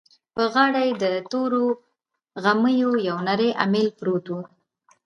په غاړه يې له تورو غميو يو نری اميل پروت و.